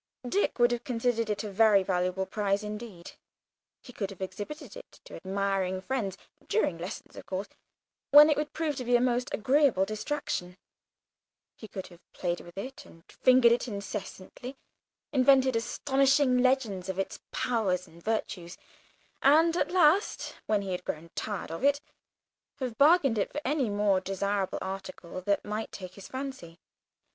Dick would have considered it a very valuable prize indeed; he could have exhibited it to admiring friends during lessons, of course, when it would prove a most agreeable distraction; he could have played with and fingered it incessantly, invented astonishing legends of its powers and virtues; and, at last, when he had grown tired of it, have bartered it for any more desirable article that might take his fancy.